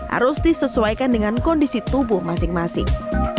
harus disesuaikan dengan kondisi tubuh masing masing